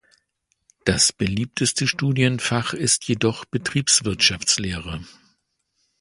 Das beliebteste Studienfach ist jedoch Betriebswirtschaftslehre.